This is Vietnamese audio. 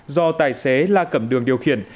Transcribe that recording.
do tài xế la cẩm đường điều khiển